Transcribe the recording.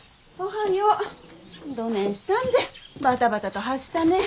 どねんしたんでバタバタとはしたねえ。